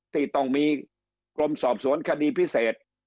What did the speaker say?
ที่ต้องมีกรมสอบสวนคดีพิเศษ